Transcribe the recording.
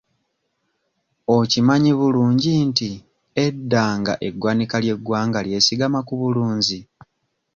Okimanyi bulungi nti edda nga eggwanika ly'eggwanga lyesigama ku bulunzi?